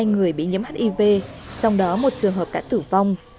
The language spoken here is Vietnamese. hai người bị nhiễm hiv trong đó một trường hợp đã tử vong